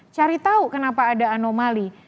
cari tahu kenapa ada anomali